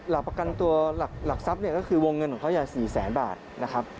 รับประกันตัวหลักทรัพย์เนี่ยก็คือวงเงินของเขาอย่าง๔๐๐๐๐๐บาทนะครับ